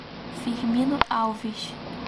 Firmino Alves